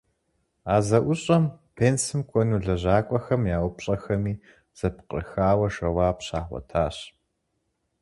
А зэӏущӏэм пенсым кӏуэну лэжьакӏуэхэм я упщӀэхэми зэпкърыхауэ жэуап щагъуэтащ.